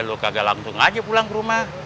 ya lu kagak langsung aja pulang ke rumah